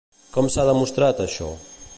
Com s'ha demostrat, això?